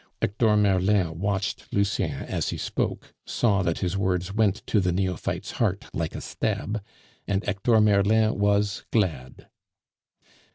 Hector Merlin watched Lucien as he spoke, saw that his words went to the neophyte's heart like a stab, and Hector Merlin was glad.